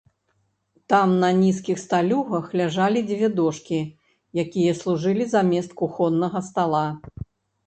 Там на нізкіх сталюгах ляжалі дзве дошкі, якія служылі замест кухоннага стала.